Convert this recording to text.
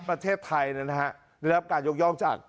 ประเทศไทยได้รับการยกย่องจาก